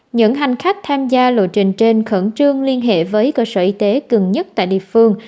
những hành khách tham gia lộ trình trên khẩn trương liên hệ với cơ sở y tế gần nhất tại địa phương